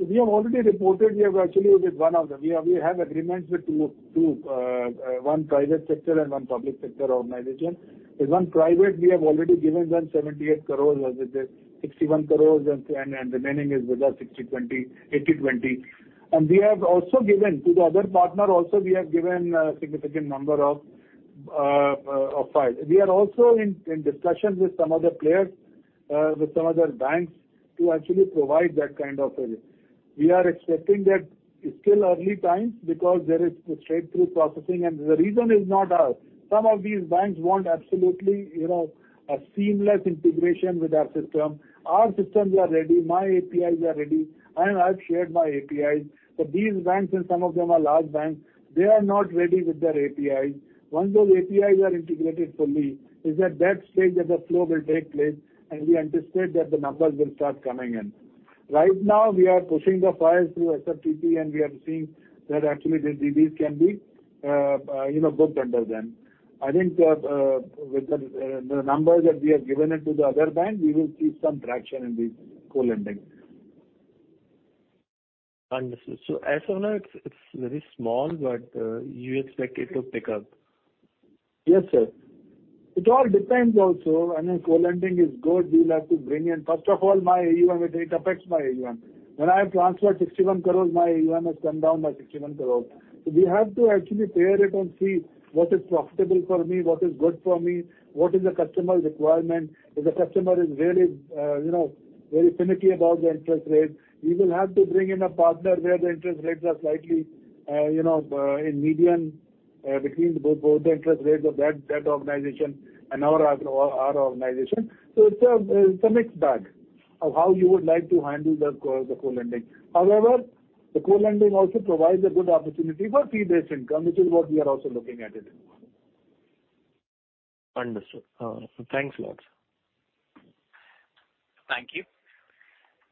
We have already reported. We have actually with one of them. We have agreements with two, one private sector and one public sector organization. The one private, we have already given them 78 crore. As I said, 61 crore and the remaining is with us, 60-20, 80-20. We have also given to the other partner a significant number of files. We are also in discussions with some other players with some other banks to actually provide that kind of a. We are expecting that it's still early times because there is straight through processing and the reason is not us. Some of these banks want absolutely, you know, a seamless integration with our system. Our systems are ready, my APIs are ready and I've shared my APIs. These banks and some of them are large banks. They are not ready with their APIs. Once those APIs are integrated fully, it's at that stage that the flow will take place and we anticipate that the numbers will start coming in. Right now we are pushing the files through SFTP and we are seeing that actually the DBs can be, you know, booked under them. I think with the numbers that we have given it to the other bank, we will see some traction in the co-lending. Understood. As of now it's very small but you expect it to pick up. Yes, sir. It all depends also. I mean, co-lending is good. We'll have to bring in, first of all my AUM, it affects my AUM. When I have transferred 61 crore, my AUM has come down by 61 crore. We have to actually pair it and see what is profitable for me, what is good for me, what is the customer requirement. If the customer is really, you know, very finicky about the interest rate, we will have to bring in a partner where the interest rates are slightly, you know, in median, between both the interest rates of that organization and our organization. It's a mixed bag of how you would like to handle the co-lending. However, the co-lending also provides a good opportunity for fee-based income, which is what we are also looking at it. Understood. Thanks a lot, sir. Thank you.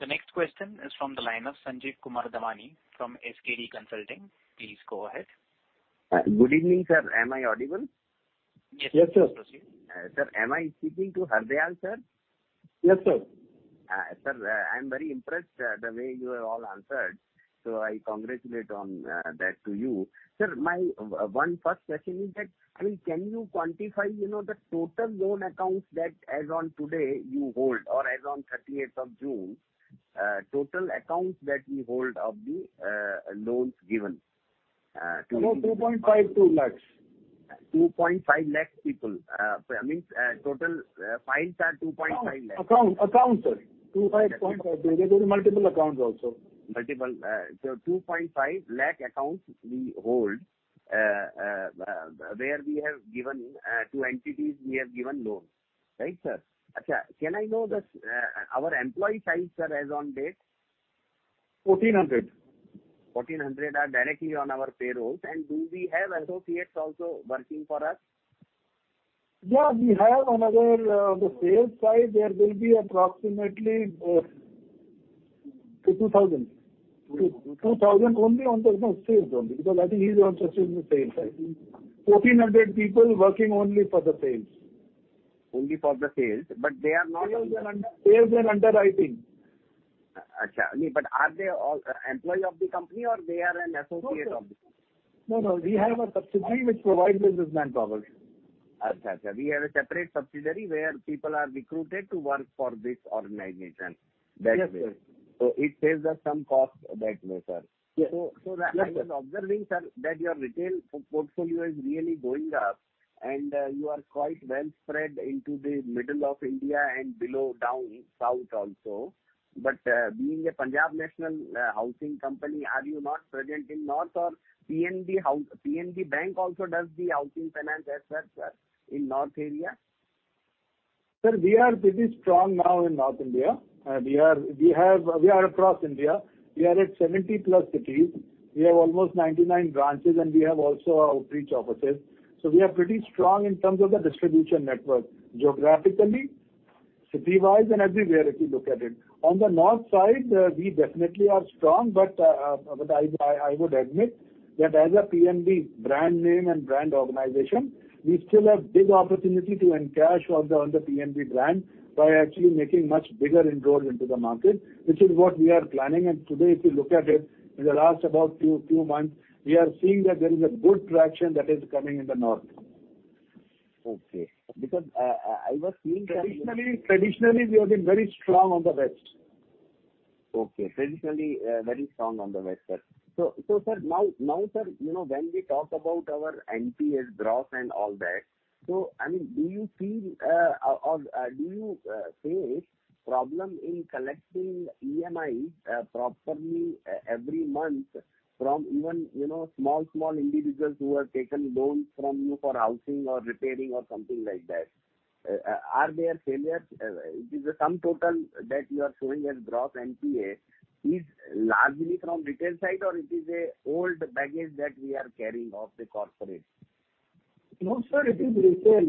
The next question is from the line of Sanjeev Kumar Damani from SKD Consulting. Please go ahead. Good evening, sir. Am I audible? Yes. Yes, sir. Proceed. Sir, am I speaking to Hardayal sir? Yes, sir. Sir, I'm very impressed, the way you have all answered. I congratulate on that to you. Sir, my first question is that, I mean, can you quantify, you know, the total loan accounts that as on today you hold or as on 30th of June, total accounts that you hold of the loans given to- 2.52 lakhs. 2.5 lakh people. I mean, total, files are 2.5 lakh. Account, sir. 2.5. There are multiple accounts also. Multiple. 2.5 lakh accounts we hold, where we have given loans to entities. Right, sir? Okay. Can I know our employee size, sir, as on date? 1400. 1,400 are directly on our payroll. Do we have associates also working for us? Yeah, we have another, the sales side there will be approximately 2,000. 2,000. 2,000 only on the, you know, sales only because I think he's also in the sales side. 1,400 people working only for the sales. Only for the sales. They are not. Sales and under-sales and underwriting. I mean, are they all employees of the company or are they associates of the company? No, no. We have a subsidiary which provides businessman coverage. We have a separate subsidiary where people are recruited to work for this organization that way. Yes, sir. It saves us some cost that way, sir. Yes. So, so the- Yes, sir. I was observing, sir, that your retail portfolio is really going up and you are quite well spread into the middle of India and below down south also. Being a PNB Housing Finance, are you not present in north or Punjab National Bank also does the housing finance as well, sir, in north area. Sir, we are pretty strong now in North India. We are across India. We are at 70+ cities. We have almost 99 branches and we have also outreach offices. We are pretty strong in terms of the distribution network, geographically, city wise and everywhere if you look at it. On the north side, we definitely are strong but I would admit that as a PNB brand name and brand organization, we still have big opportunity to cash in on the PNB brand by actually making much bigger inroads into the market. Which is what we are planning and today if you look at it, in the last about two months we are seeing that there is a good traction that is coming in the north. Okay. Because I was seeing that. Traditionally we have been very strong on the west. Okay. Traditionally, very strong on the west, sir. Sir, now sir, you know, when we talk about our NPS drop and all that, I mean, do you feel, or do you face problem in collecting EMIs properly every month from even, you know, small individuals who have taken loans from you for housing or repairing or something like that. Are there failures? Is the sum total that you are showing as gross NPA largely from retail side or it is an old baggage that we are carrying of the corporate? No, sir, it is retail.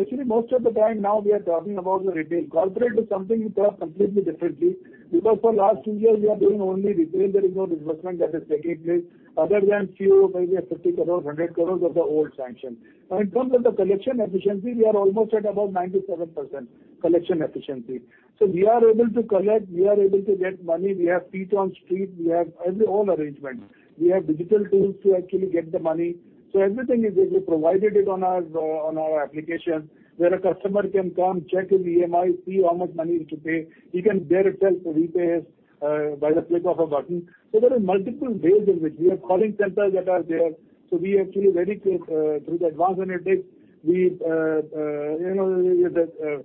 Actually, most of the time now we are talking about the retail. Corporate is something we talk completely differently because for last two years we are doing only retail. There is no disbursement that is taking place other than few, maybe 50 crores, 100 crores of the old sanction. Now, in terms of the collection efficiency, we are almost at about 97% collection efficiency. We are able to collect, we are able to get money, we have feet on street, we have every all arrangements. We have digital tools to actually get the money. Everything is there. We provided it on our application, where a customer can come, check his EMI, see how much money he needs to pay. He can there itself repay us by the click of a button. There are multiple ways in which we have calling centers that are there. We actually very quickly through the advanced analytics, we you know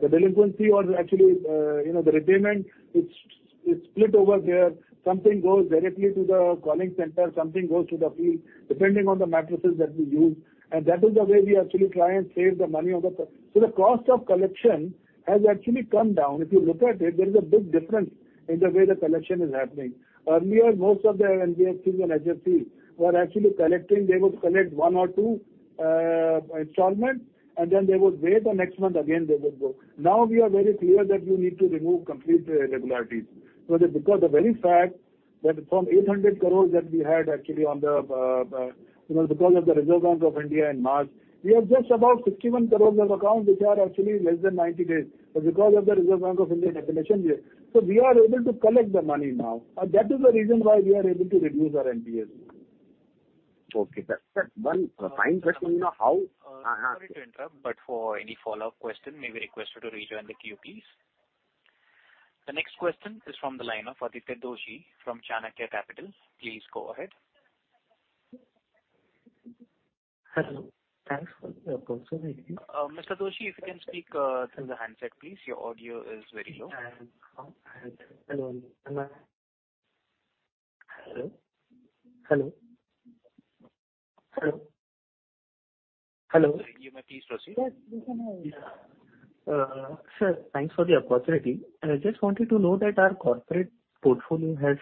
the delinquency or actually you know the repayment, it's split over there. Something goes directly to the calling center, something goes to the field, depending on the metrics that we use. That is the way we actually try and save the money of the. The cost of collection has actually come down. If you look at it, there is a big difference in the way the collection is happening. Earlier, most of the NBFCs and HFCs were actually collecting. They would collect one or two installments, and then they would wait the next month again they would go. Now we are very clear that you need to remove complete irregularities. Because the very fact that from 800 crores that we had actually on the, you know, because of the Reserve Bank of India in March, we have just about 61 crores of accounts which are actually less than 90 days because of the Reserve Bank of India declaration here. We are able to collect the money now, and that is the reason why we are able to reduce our NPAs. Okay. That's one fine question. Sorry to interrupt, but for any follow-up question, may we request you to rejoin the queue, please. The next question is from the line of Aditya Doshi from Chanakya Capital. Please go ahead. Hello. Thanks for the opportunity. Mr. Doshi, if you can speak through the handset, please. Your audio is very low. I am on handset. Hello. Hello? Hello? Hello? You may please proceed. Yes. We can hear you. Sir, thanks for the opportunity. I just wanted to know that our corporate portfolio has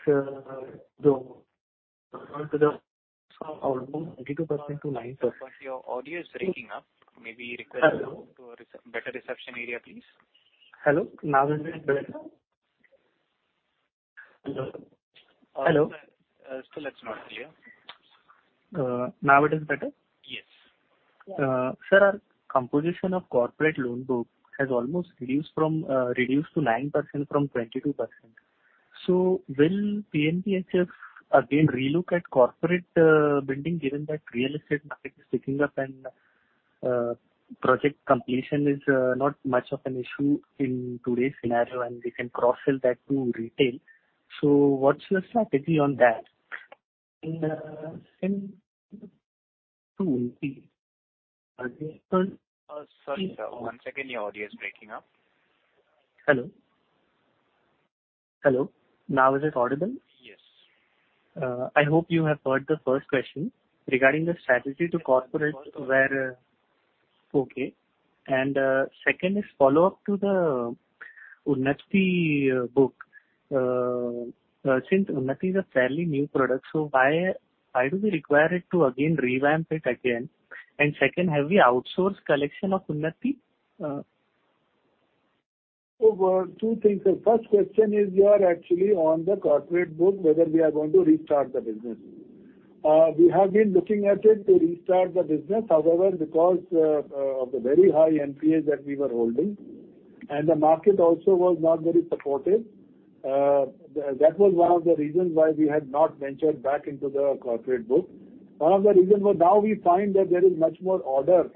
almost 22% to 9%. Your audio is breaking up. Maybe request you to move to a better reception area, please. Hello. Now is it better? Hello. Hello. Still it's not clear. Now it is better? Yes. Sir, our composition of corporate loan book has almost reduced to 9% from 22%. Will PNBHF again relook at corporate building given that real estate market is picking up and project completion is not much of an issue in today's scenario and we can cross-sell that to retail. What's your strategy on that? In two-three. Sorry, sir. One second. Your audio is breaking up. Hello? Hello. Now, is it audible? Yes. Second is follow-up to the Unnati book. Since Unnati is a fairly new product, so why do we require it to again revamp it again? Second, have we outsourced collection of Unnati? Two things. The first question is we are actually on the corporate book, whether we are going to restart the business. We have been looking at it to restart the business. However, because of the very high NPAs that we were holding and the market also was not very supportive, that was one of the reasons why we had not ventured back into the corporate book. One of the reason was now we find that there is much more order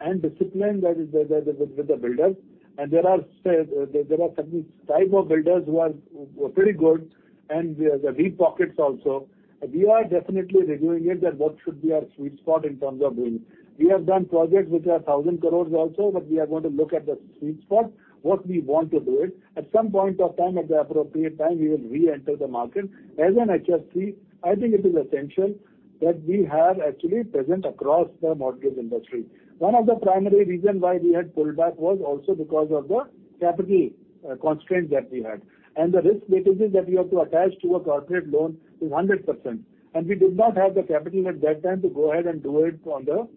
and discipline that is there with the builders. And there are certain type of builders who were pretty good and they have deep pockets also. We are definitely reviewing it that what should be our sweet spot in terms of doing. We have done projects which are 1,000 crore also, but we are going to look at the sweet spot, what we want to do it. At some point of time, at the appropriate time, we will reenter the market. As an HFC, I think it is essential that we have actual presence across the mortgage industry. One of the primary reason why we had pulled back was also because of the capital constraints that we had. The risk weightages that we have to attach to a corporate loan is 100%. We did not have the capital at that time to go ahead and do it on the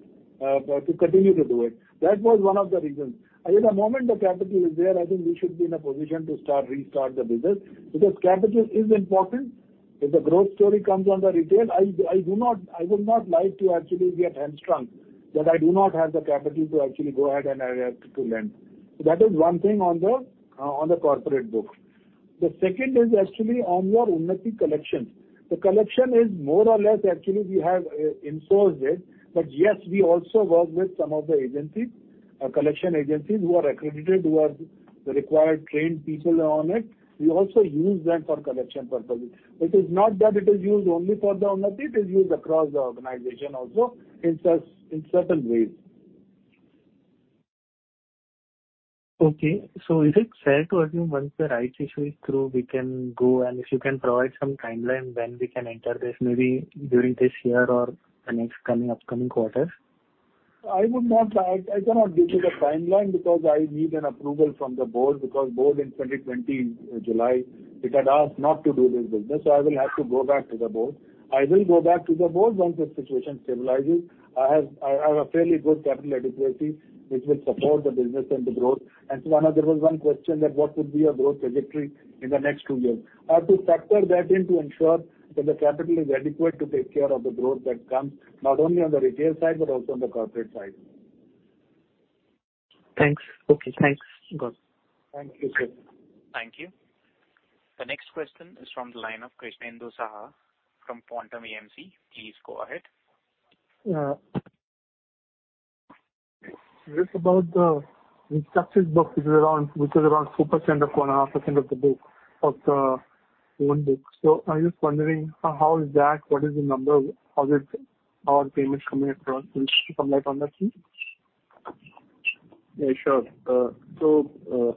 to continue to do it. That was one of the reasons. I think the moment the capital is there, I think we should be in a position to start, restart the business because capital is important. If the growth story comes on the retail, I would not like to actually be hamstrung that I do not have the capital to actually go ahead and to lend. That is one thing on the corporate book. The second is actually on your Unnati collections. The collection is more or less actually we have outsourced it. Yes, we also work with some of the agencies, collection agencies who are accredited, who are the required trained people on it. We also use them for collection purposes. It is not that it is used only for the Unnati, it is used across the organization also in certain ways. Okay. Is it fair to assume once the rights issue is through, we can go and if you can provide some timeline when we can enter this, maybe during this year or the next coming, upcoming quarters? I cannot give you the timeline because I need an approval from the board because board in July 2020, it had asked not to do this business, so I will have to go back to the board. I will go back to the board once the situation stabilizes. I have a fairly good capital adequacy which will support the business and the growth. Sudarshan Sen there was one question that what would be your growth trajectory in the next two years. I have to factor that in to ensure that the capital is adequate to take care of the growth that comes not only on the retail side, but also on the corporate side. Thanks. Okay, thanks. Got it. Thank you. Thank you. The next question is from the line of Krishnendu Saha from Quantum AMC. Please go ahead. Yeah. Just about the restructure book which is around 4% or 0.5% of the loan book. I'm just wondering how is that? What is the number? How is it? How are payments coming across? Can you shed some light on that, please? Yeah, sure. So,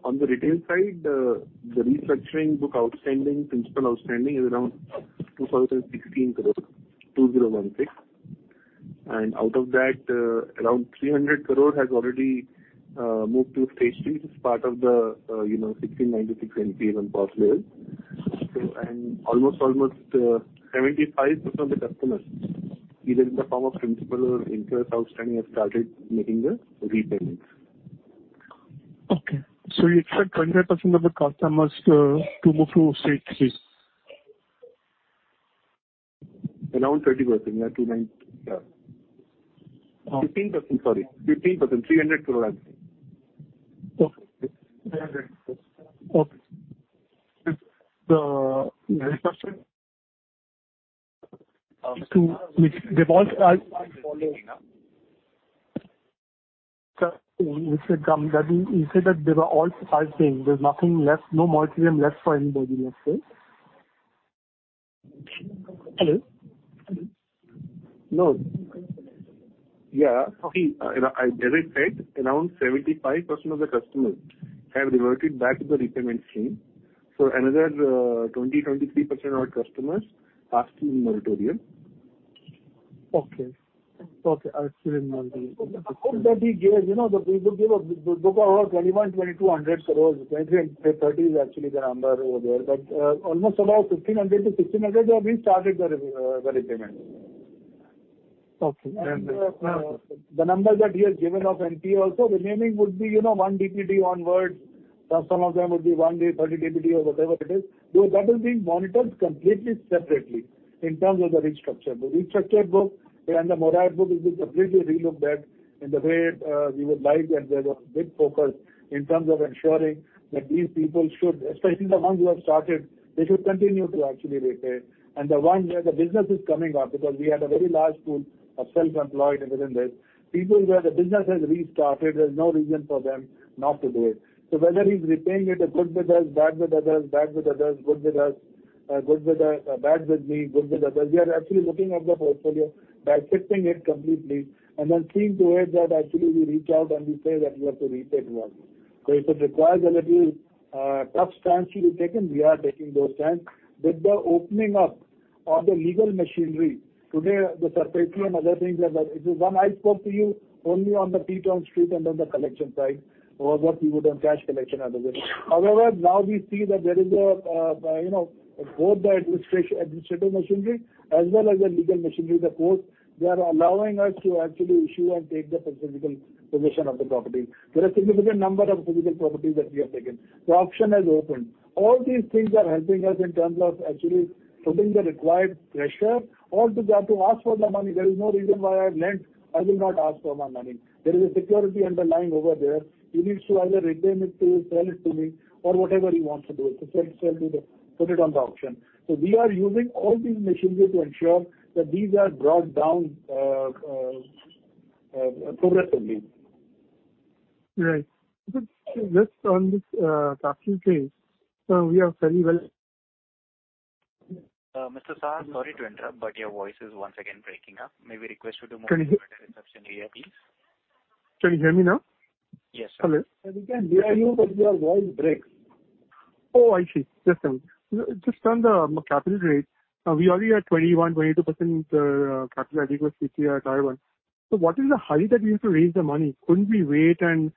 on the retail side, the restructuring book outstanding, principal outstanding is around 2,016 crores, 2,016. Out of that, around 300 crores has already moved to stage three as part of the, you know, 1,696 NPA non-performing. Almost 75% of the customers, either in the form of principal or interest outstanding, have started making the repayments. Okay. You expect 25% of the customers to move to stage three? Around 30%, yeah. 15%, sorry. 15%. INR 300 crore roughly. Okay. The restructure to which they've all started following up. You said that they were all starting. There's nothing left, no moratorium left for anybody, let's say. Hello? No. Yeah. Okay. I, as I said, around 75% of the customers have reverted back to the repayment scheme. Another 23% of our customers are still in moratorium. Okay. I still didn't understand. The book that we gave, you know, we gave a book of over INR 2,100-2,200 crores. 2,030 is actually the number over there. Almost about INR 1,500-1,600 have been started the repayment. Okay. The numbers that he has given of NPA also remaining would be, you know, one DPD onwards. Some of them would be one to thirty DPD or whatever it is. That is being monitored completely separately in terms of the restructured book. Restructured book and the moratorium book will be completely relooked at in the way we would like and there's a big focus in terms of ensuring that these people should, especially the ones who have started, they should continue to actually repay. The ones where the business is coming up, because we had a very large pool of self-employed within this. People where the business has restarted, there's no reason for them not to do it. Whether he's repaying it good with us, bad with others, good with us, bad with us, good with others, we are actually looking at the portfolio, backfitting it completely, and then seeing to it that actually we reach out and we say that you have to repay to us. If it requires a little tough stance to be taken, we are taking that stance. With the opening up of the legal machinery today, the SARFAESI and other things that it is one I spoke to you only on the doorstep and on the collection side or what we would do on cash collection otherwise. However, now we see that there is, you know, both the administrative machinery as well as the legal machinery, the courts, they are allowing us to actually issue and take the physical possession of the property. There are significant number of physical properties that we have taken. The option has opened. All these things are helping us in terms of actually putting the required pressure or to ask for the money. There is no reason why I have lent, I will not ask for my money. There is a security underlying over there. He needs to either repay it, sell it to me or whatever he wants to do with it, put it on the auction. We are using all these machinery to ensure that these are brought down progressively. Right. Just on this, capital raise, we are very well- Mr. Saha, sorry to interrupt, but your voice is once again breaking up. May we request you to move to- Can you? A better reception area, please? Can you hear me now? Yes. Hello. We can hear you, but your voice breaks. Oh, I see. Just a minute. Just on the capital raise, we already are at 21%-22% capital adequacy at Tier 1. What is the hurry that we have to raise the money? Couldn't we wait and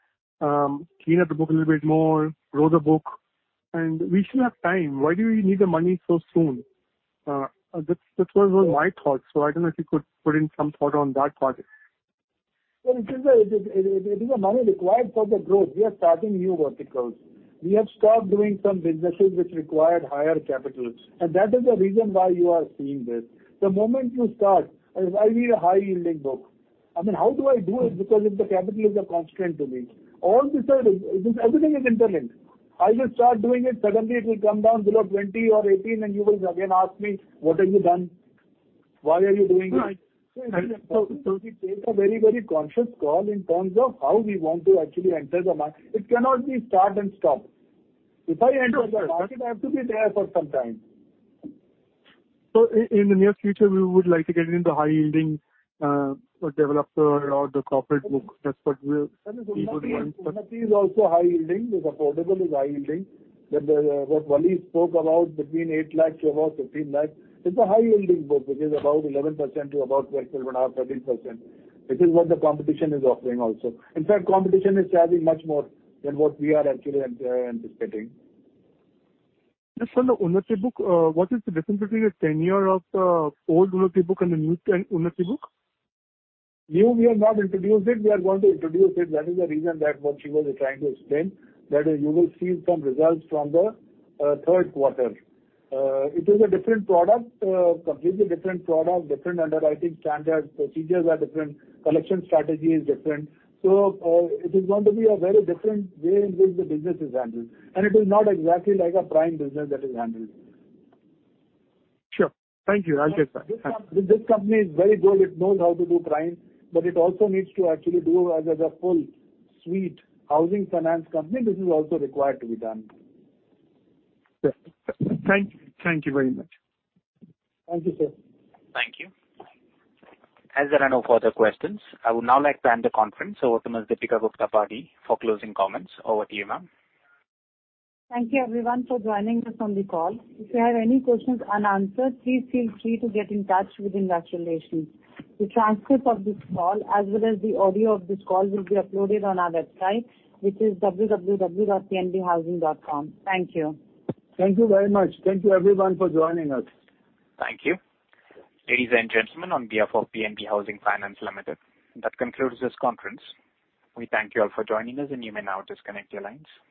clean up the book a little bit more, grow the book? We still have time. Why do we need the money so soon? That was my thought. I don't know if you could put in some thought on that part. Well, it is a money required for the growth. We are starting new verticals. We have stopped doing some businesses which required higher capital and that is the reason why you are seeing this. The moment you start, as I build a high yielding book, I mean, how do I do it? Because if the capital is a constraint to me, all this, everything is interlinked. I will start doing it, suddenly it will come down below 20% or 18% and you will again ask me, "What have you done? Why are you doing this? Right. We take a very, very conscious call in terms of how we want to actually enter the market. It cannot be start and stop. If I enter the market, I have to be there for some time. In the near future, we would like to get into high-yielding, developer or the corporate book. That's what we would want but Unnati is also high yielding. It's affordable, it's high yielding. The, what Valli spoke about between 8 lakh to about 15 lakh, it's a high yielding book which is about 11% to about 12.5, 13%, which is what the competition is offering also. In fact, competition is charging much more than what we are actually anticipating. Just on the Unnati book, what is the difference between the tenure of the old Unnati book and the new Unnati book? Now, we have not introduced it. We are going to introduce it. That is the reason that what Shivaji was trying to explain. That is, you will see some results from the third quarter. It is a different product, completely different product, different underwriting standards, procedures are different, collection strategy is different. It is going to be a very different way in which the business is handled, and it is not exactly like a prime business that is handled. Sure. Thank you. I'll get back. This company is very good, it knows how to do prime, but it also needs to actually do as a full suite housing finance company. This is also required to be done. Sure. Thank you very much. Thank you, sir. Thank you. As there are no further questions, I would now like to end the conference over to Ms. Deepika Gupta Padhi for closing comments. Over to you, ma'am. Thank you everyone for joining us on the call. If you have any questions unanswered, please feel free to get in touch with investor relations. The transcript of this call, as well as the audio of this call, will be uploaded on our website, which is www.pnbhousing.com. Thank you. Thank you very much. Thank you everyone for joining us. Thank you. Ladies and gentlemen, on behalf of PNB Housing Finance Limited, that concludes this conference. We thank you all for joining us and you may now disconnect your lines.